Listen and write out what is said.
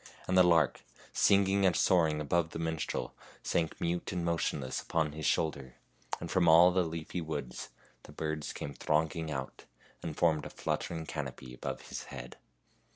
And the lark, singing and soaring above the minstrel, sank mute and motionless upon his shoulder, and from all the leafy woods the birds came thronging out and formed a fluttering canopy above his head.